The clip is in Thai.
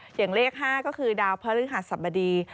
อย่างเลข๕ก็คือดาวพระฤหัสบดี